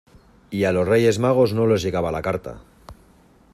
y a los Reyes Magos no les llegaba la carta.